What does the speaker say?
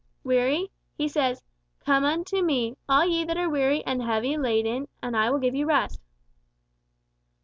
Weary? He says, 'Come unto me, all ye that are weary and heavy laden, and I will give you rest!